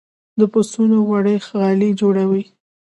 د پسونو وړۍ غالۍ جوړوي